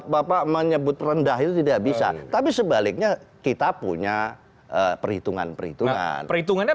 bapak menyebut rendah itu tidak bisa tapi sebaliknya kita punya perhitungan perhitungan perhitungannya